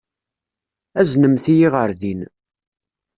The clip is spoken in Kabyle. Aznemt-iyi ɣer din.